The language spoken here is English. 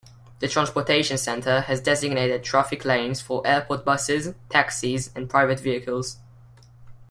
The transportation centre has designated traffic lanes for airport buses, taxis and private vehicles.